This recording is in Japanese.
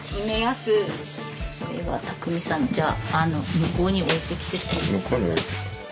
向こうに置いてきて。